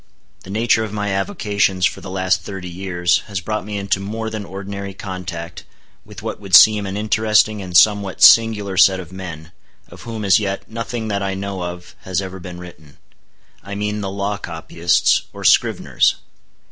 The nature of my avocations for the last thirty years has brought me into more than ordinary contact with what would seem an interesting and somewhat singular set of men, of whom as yet nothing that I know of has ever been written:—I mean the law copyists or scriveners.